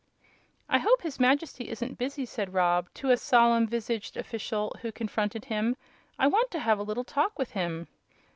"I hope his Majesty isn't busy," said Rob to a solemn visaged official who confronted him. "I want to have a little talk with him."